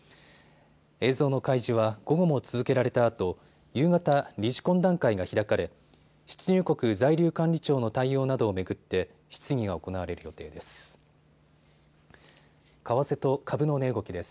映像の開示は午後も続けられたあと、夕方、理事懇談会が開かれ出入国在留管理庁の対応などを巡って質疑が行われる予定です。